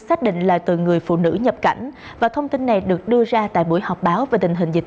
xác định là từ người phụ nữ nhập cảnh và thông tin này được đưa ra tại buổi họp báo về tình hình dịch